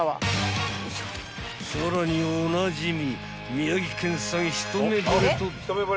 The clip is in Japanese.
［さらにおなじみ］